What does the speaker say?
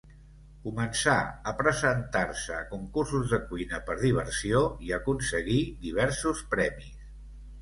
Començà a presentar-se a concursos de cuina per diversió i aconseguí diversos premis.